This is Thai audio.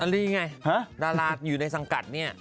ดาราอยู่ในสังกัดนี่